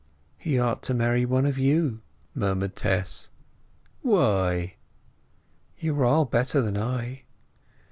"He ought to marry one of you," murmured Tess. "Why?" "You are all better than I."